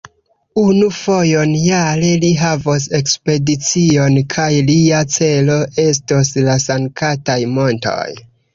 Unu fojon jare li havos ekspedicion kaj lia celo estos la sanktaj montoj.